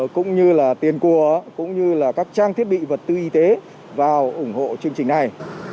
cũng như là tiền cùa cũng như là các trang thiết bị vật tư y tế vào ủng hộ chương trình này